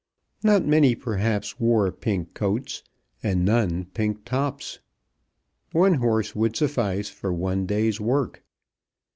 Not many perhaps wore pink coats, and none pink tops. One horse would suffice for one day's work.